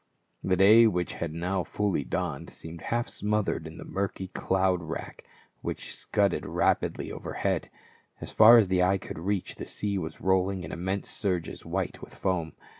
The day which had now fully dawned seemed half smothered in the murky cloud rack which scudded rapidly overhead ; as far as the eye could reach, the sea was rolling in immense surges white with foam.